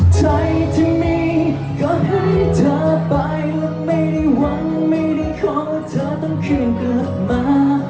ใจที่มีก็ให้เธอไปและไม่ได้หวังไม่ได้ขอว่าเธอต้องคืนกลับมา